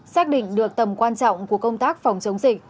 xác định được tầm quan trọng của công tác phòng chống dịch